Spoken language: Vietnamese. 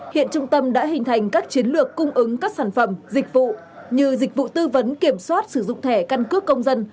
hiện trung tâm đã hình thành các chiến lược cung ứng các sản phẩm dịch vụ như dịch vụ tư vấn kiểm soát sử dụng thẻ căn cước công dân